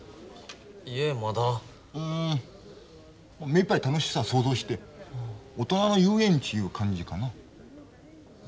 目いっぱい楽しさ想像して大人の遊園地いう感じかな。